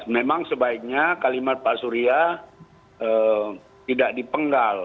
memang sebaiknya kalimat pak surya tidak dipenggal